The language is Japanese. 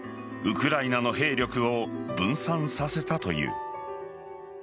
ウクライナの兵力を分散させたという。